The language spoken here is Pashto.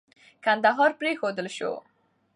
کندهار پرېښودل سو.